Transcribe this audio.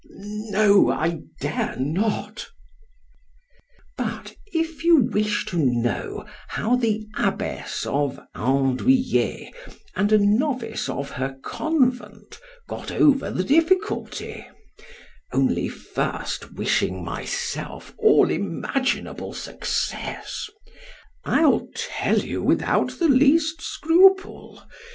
——No;——I dare not—— But if you wish to know how the abbess of Andoüillets and a novice of her convent got over the difficulty (only first wishing myself all imaginable success)—I'll tell you without the least scruple.